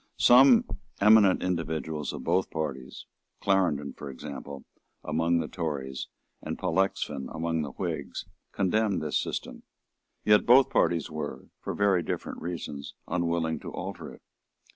Some eminent individuals of both parties, Clarendon, for example, among the Tories, and Pollexfen among the Whigs, condemned this system. Yet both parties were, for very different reasons, unwilling to alter it.